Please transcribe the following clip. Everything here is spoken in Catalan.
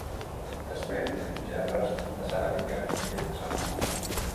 Es ven en gerres de ceràmica fetes a mà.